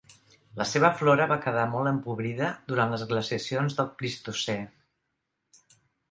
La seva flora va quedar molt empobrida durant les glaciacions del Plistocè.